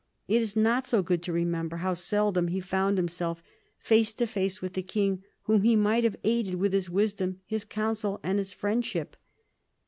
It is not so good to remember how seldom he found himself face to face with the King, whom he might have aided with his wisdom, his counsel, and his friendship.